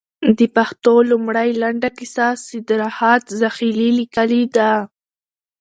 د پښتو لومړۍ لنډه کيسه، سيدراحت زاخيلي ليکلې ده